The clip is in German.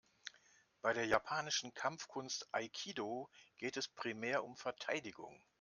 Bei der japanischen Kampfkunst Aikido geht es primär um Verteidigung.